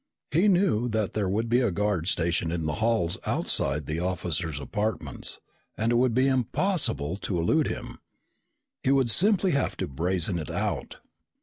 He knew that there would be a guard stationed in the halls outside the officers' apartments and it would be impossible to elude him. He would simply have to brazen it out.